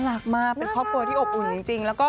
น่ารักมากเป็นครอบครัวที่อบอุ่นจริง